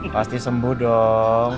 pasti sembuh dong